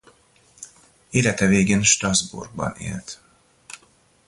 Élete végén Strasbourgban élt.